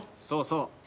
そうそう。